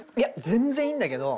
「全然いいんだけど」。